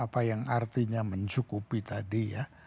apa yang artinya mencukupi tadi ya